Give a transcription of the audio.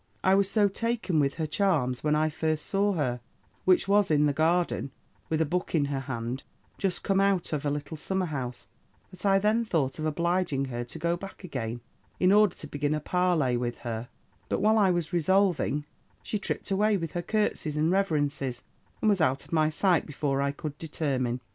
I was so taken with her charms when I first saw her, which was in the garden, with a book in her hand, just come out of a little summer house, that I then thought of obliging her to go back again, in order to begin a parley with her: but while I was resolving, she tript away with her curtesies and reverences, and was out of my sight before I could determine.